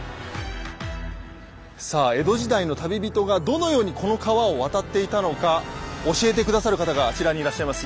さあ江戸時代の旅人がどのようにこの川を渡っていたのか教えて下さる方があちらにいらっしゃいます。